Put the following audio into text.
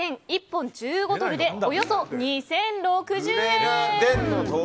１本１５ドルでおよそ２０６０円です。